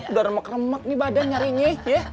udah remak remak nih badan nyarinya ya